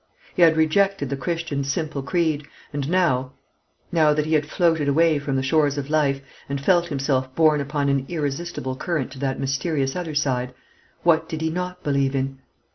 He had rejected the Christian's simple creed, and now now that he had floated away from the shores of life, and felt himself borne upon an irresistible current to that mysterious other side, what did he not believe in?